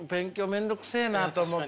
面倒くせえなと思って。